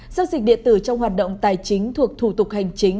giao dịch điện tử trong hoạt động tài chính thuộc thủ tục hành chính